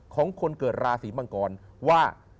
ของคนเกิดราศีมังกรว่า